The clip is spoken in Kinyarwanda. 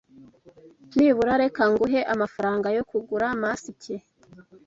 Nibura reka nguhe amafaranga yo kugura masike